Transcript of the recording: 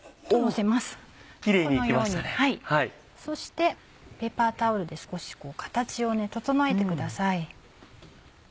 そしてペーパータオルで少し形を整えてください。